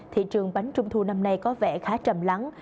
thị trường bánh trung thu năm nay có vẻ khá trầm lắng